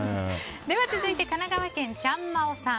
続いて、神奈川県の方。